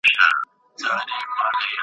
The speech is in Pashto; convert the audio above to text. د يوسف عليه السلام وروڼه حسد ړانده کړې وه.